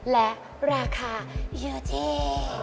และราคาอยู่ที่